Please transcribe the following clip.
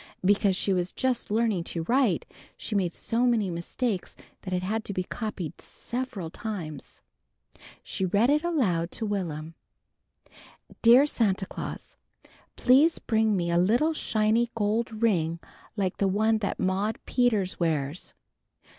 Because she was just learning to write, she made so many mistakes that it had to be copied several times. She read it aloud to Will'm. "Dear Santa Claus: Please bring me a little shiny gold ring like the one that Maudie Peters wears.